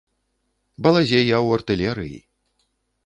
Балазе я ў артылерыі.